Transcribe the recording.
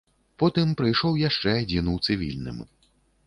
Потым прыйшоў яшчэ адзін у цывільным.